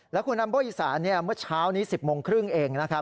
แล้วคุณอัมโบอีสานเมื่อเช้านี้๑๐โมงครึ่งเองนะครับ